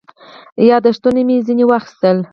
یاداښتونه مې ځنې واخیستل.